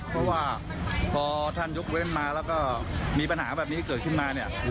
เพราะว่าพอท่านยกเว้นมาแล้วก็มีปัญหาแบบนี้เกิดขึ้นมาเนี่ย